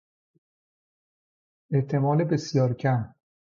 احتمال بسیار کم